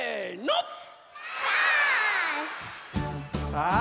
さあ